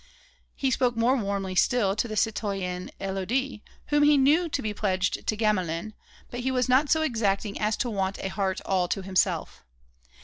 He spoke more warmly still to the citoyenne Élodie, whom he knew to be pledged to Gamelin, but he was not so exacting as to want a heart all to himself.